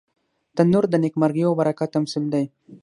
تنور د نیکمرغۍ او برکت تمثیل دی